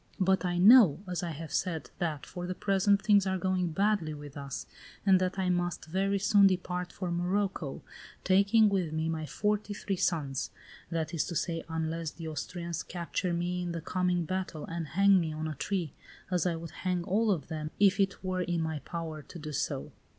But I know, as I have said, that, for the present, things are going badly with us, and that I must very soon depart for Morocco, taking with me my forty three sons; that is to say, unless the Austrians capture me in the coming battle and hang me on a tree, as I would hang all of them, if it were in my power to do so.